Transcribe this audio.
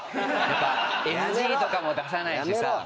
ＮＧとかも出さないしさ。